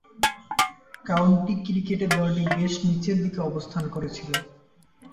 County ক্রিকেটে দলটি বেশ নিচের দিকে অবস্থান করছিল।